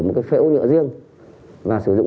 em thích xử lý em xử lý